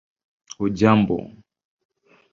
hujambo